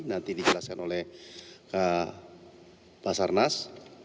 nanti dijelaskan oleh basarnas